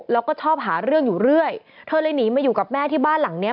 แล้วก็ชอบหาเรื่องอยู่เรื่อยเธอเลยหนีมาอยู่กับแม่ที่บ้านหลังเนี้ย